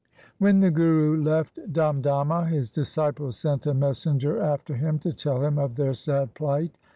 1 When the Guru left Damdama, his disciples sent a messenger after him to tell him of their sad plight.